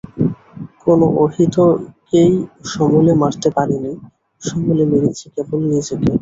কোনো অহিতকেই সমূলে মারতে পারি নি, সমূলে মেরেছি কেবল নিজেকে।